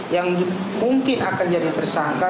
yang mungkin akan jadi tersangka